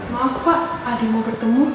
maaf pak adik mau bertemu